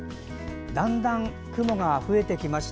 だんだん雲が増えてきました。